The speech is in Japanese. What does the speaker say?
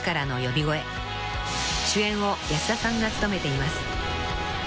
［主演を安田さんが務めています］